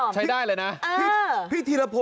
ใช้ได้เลยนะเออ